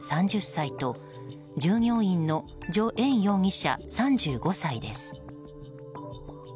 ３０歳と従業員のジョ・エン容疑者３５歳です。